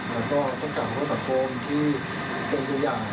แล้วก็ต้องกำกัดโทษทักีนนี่ทุกอย่าง